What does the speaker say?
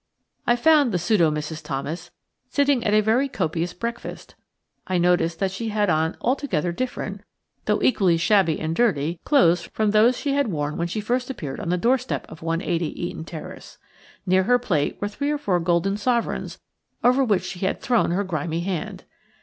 I found the pseudo Mrs. Thomas sitting at a very copious breakfast. I noticed that she had on altogether different–though equally shabby and dirty–clothes from those she had worn when she first appeared on the doorstep of 180, Eaton Terrace. Near her plate were three or four golden sovereigns over which she had thrown her grimy hand.